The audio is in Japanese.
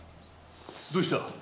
どうした？